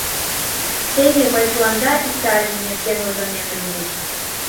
Теве мый тыланда Италий нерген ойленам ыле вет.